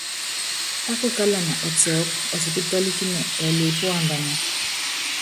Pákukálana ɔtiɔ́pɔ́, ɔtipítɔ́líkínɛ, ɛɛlɛ epú ambanɛ́ɛ.